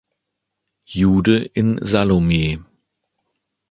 Jude in "Salome".